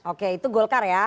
oke itu golkar ya